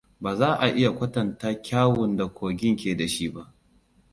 Ba za a iya kwatanta kyawun da kogin ke da shi ba.